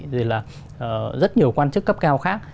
rồi là rất nhiều quan chức cấp cao khác